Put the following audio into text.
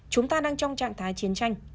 chúng ta đang trong trạng thái chiến tranh